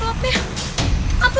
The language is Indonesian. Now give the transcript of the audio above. malin jangan lupa